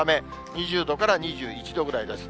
２０度から２１度ぐらいです。